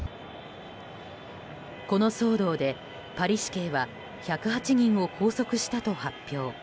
この騒動で、パリ市警は１０８人を拘束したと発表。